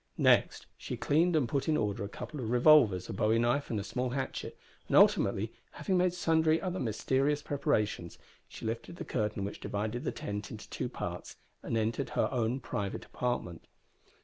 Next she cleaned and put in order a couple of revolvers, a bowie knife, and a small hatchet; and ultimately, having made sundry other mysterious preparations, she lifted the curtain which divided the tent into two parts, and entered her own private apartment.